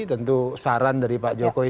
tentu saran dari pak jokowi